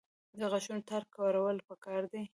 د غاښونو تار کارول پکار دي